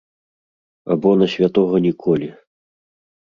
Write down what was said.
Або на святога ніколі.